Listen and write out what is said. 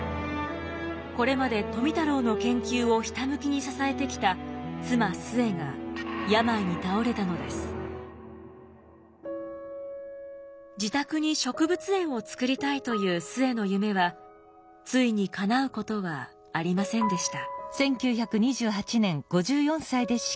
これまで富太郎の研究をひたむきに支えてきた妻壽衛が自宅に植物園を作りたいという壽衛の夢はついにかなうことはありませんでした。